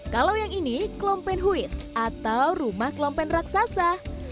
kalau yang ini klompen huis atau rumah klompen raksasa